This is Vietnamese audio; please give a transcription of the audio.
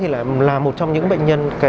là một trong những bệnh nhân